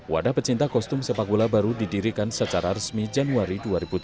wadah pecinta kostum sepak bola baru didirikan secara resmi januari dua ribu tujuh belas